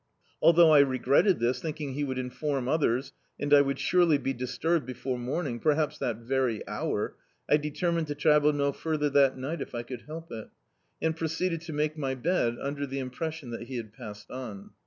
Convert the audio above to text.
Althou^ I regretted this, thinking he would inform others, and I would surely be disturbed before morning, perhaps that very hour — I determined to travel no further that ni^t, if I could help it, and proceeded to make my bed, under the impression that he had passed on.